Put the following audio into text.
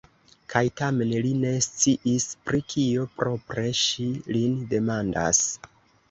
Kaj tamen li ne sciis, pri kio propre ŝi lin demandas.